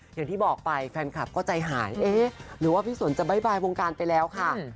อย่างที่บอกไปแฟนคลับก็ใจหายเอ๊ะหรือว่าพี่สนจะบ๊ายวงการไปแล้วค่ะ